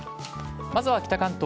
まずは北関東。